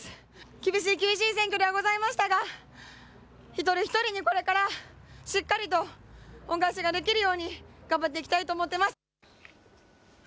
厳しい厳しい選挙ではございましたが、一人一人にこれから、しっかりと恩返しができるように、頑張っていきたいと思っています。